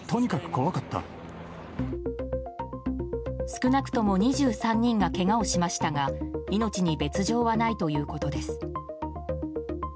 少なくとも２３人がけがをしましたが命に別条はないということです。